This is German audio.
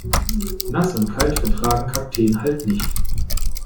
Nass und kalt vertragen Kakteen halt nicht.